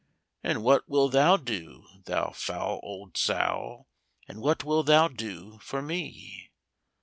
'And what wilt thou do, thou foul old sow? And what wilt thou do for me?'